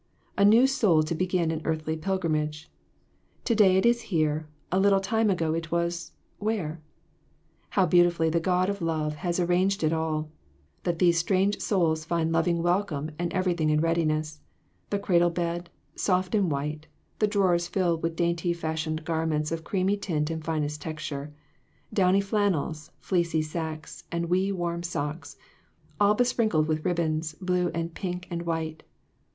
A new soul to begin an earthly pilgrimage ! To day it is here, a lit le time ago it w .s where ? How beautifully the God of love has arranged it all, that these strange souls find loving welcome and everything in readiness the cradle bed, soft and white, the drawers filled with daintily fash ioned garments of creamy tint and finest texture, downy flannels, fleecy sacks, and wee, warm socks all be sprinkled with ribbons, blue, and pink, and white.